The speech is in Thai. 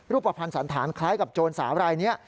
รูปประพันธ์สันฐานคล้ายกับโจรสาวไร้นี้